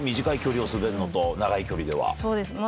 短い距離を滑るのと、長い距離でそうです。